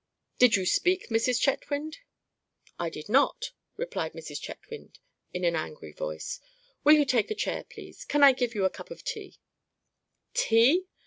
Did you speak, Mrs. Chetwynd?" "I did not," replied Mrs. Chetwynd, in an angry voice. "Will you take a chair, please? Can I give you a cup of tea?" "Tea?"